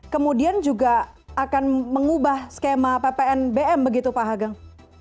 kemudian juga akan mengubah skema ppn bm begitu pak hagang